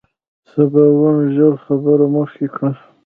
سباوون ژر خبره مخکې کړه.